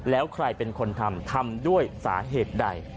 แล้วใครเป็นคนทำทำด้วยสาเหตุใด